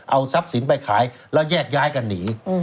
เอาทรัพย์สินไปขายแล้วแยกย้ายกันหนี